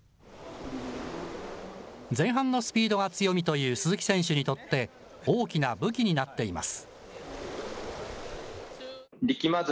前半のスピードが強みという鈴木選手にとって、大きな武器になっています。